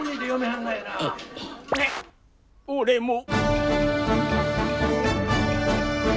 俺も。